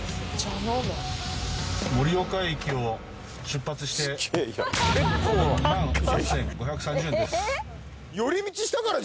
盛岡駅を出発して２万８，５３０円です。